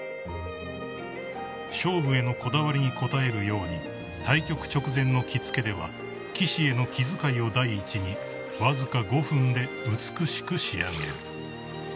［勝負へのこだわりに応えるように対局直前の着付けでは棋士への気遣いを第一にわずか］